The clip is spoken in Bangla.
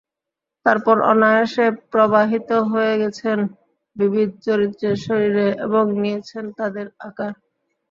তারপর অনায়াসে প্রবাহিত হয়ে গেছেন বিবিধ চরিত্রের শরীরে এবং নিয়েছেন তাঁদের আকার।